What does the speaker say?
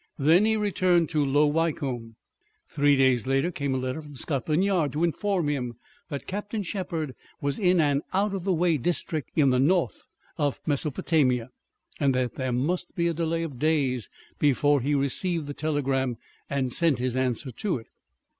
Then he returned to Low Wycombe. Three days later came a letter from Scotland Yard to inform him that Captain Shepherd was in an out of the way district in the north of Mesopotamia, and that there must be a delay of days before he received the telegram and sent his answer to it.